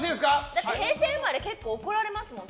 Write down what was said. だって平成生まれ結構怒られますもん。